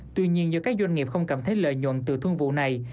tuy nhiên do các doanh nghiệp không cảm thấy lợi nhuận từ thương vụ này